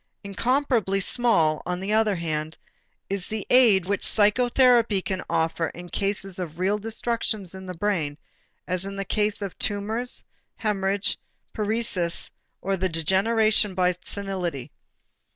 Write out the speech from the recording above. Incomparably small, on the other hand, is the aid which psychotherapy can offer in cases of real destructions in the brain, as in the case of tumors, hemorrhage, paresis or the degeneration by senility.